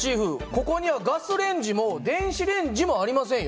ここにはガスレンジも電子レンジもありませんよ。